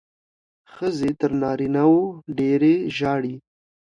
ښځې تر نارینه وو ډېرې ژاړي.